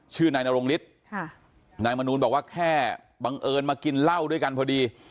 นายนรงฤทธิ์นายมนูลบอกว่าแค่บังเอิญมากินเหล้าด้วยกันพอดี